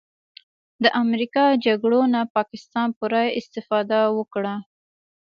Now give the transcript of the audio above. د امریکا جګړو نه پاکستان پوره استفاده وکړله